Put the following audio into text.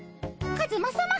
カズマさま